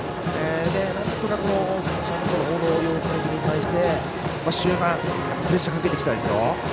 なんとかピッチャーの小野涼介君に対して終盤、プレッシャーをかけていきたいですよ。